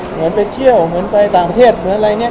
เหมือนไปเที่ยวเหมือนไปต่างประเทศเหมือนอะไรอย่างนี้